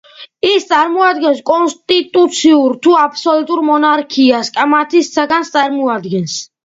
ის წარმოადგენს კონსტიტუციურ თუ აბსოლუტურ მონარქიას კამათის საგანს წარმოადგენს.